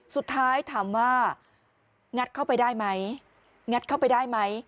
สุดท้ายถามว่างัดเข้าไปได้ไหมงัดเข้าไปได้ไหม